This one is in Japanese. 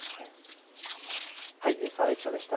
澤井記者でした。